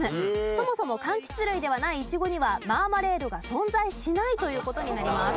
そもそも柑橘類ではないいちごにはマーマレードが存在しないという事になります。